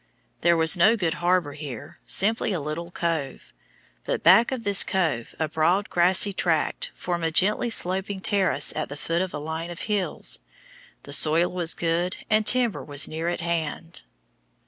There was no good harbor here, simply a little cove, but back of this cove a broad grassy tract formed a gently sloping terrace at the foot of a line of hills. The soil was good and timber was near at hand.